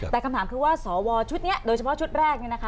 แต่คำถามคือว่าสวชุดนี้โดยเฉพาะชุดแรก